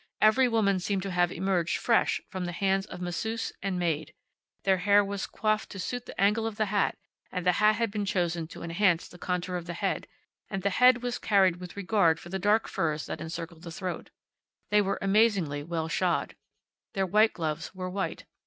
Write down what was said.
Every woman seemed to have emerged fresh from the hands of masseuse and maid. Their hair was coiffed to suit the angle of the hat, and the hat had been chosen to enhance the contour of the head, and the head was carried with regard for the dark furs that encircled the throat. They were amazingly well shod. Their white gloves were white.